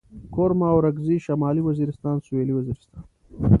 کرم اورکزي شمالي وزيرستان سوېلي وزيرستان